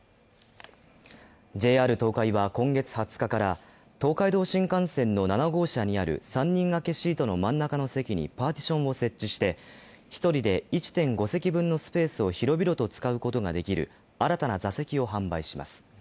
ＪＲ東海は今月２０日から東海道新幹線の７号車にある３人掛けシートの真ん中の席にパーティションを設置して１人で１．５席分のスペースを広々と使うことができる新たな座席を販売します。